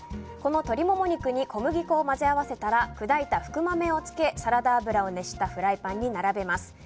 この鶏モモ肉に小麦粉を混ぜ合わせたら砕いた福豆をつけ、サラダ油を熱したフライパンに並べます。